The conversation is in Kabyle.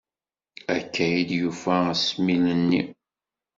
Akka ay d-yufa asmil-nni.